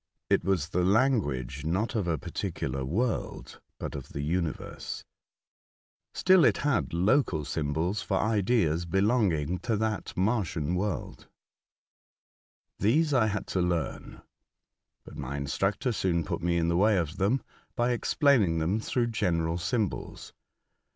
It was the language, not of aparticular world, but of the universe ; still it had local symbols for ideas belonging to that Martian world. These I had to learn, but my instructor soon put me in the A Martian Instructor, 115 way of tliem by explaining tliem through general symbols.